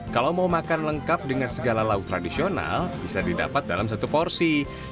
kalau mau makan lengkap dengan segala lauk tradisional bisa didapat dalam satu porsi